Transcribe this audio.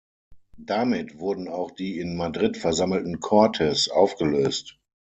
Damit wurden auch die in Madrid versammelten Cortes aufgelöst.